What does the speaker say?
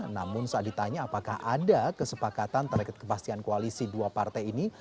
namun saat ditanya apakah ada kesepakatan terkait kepastian koalisi dua partai ini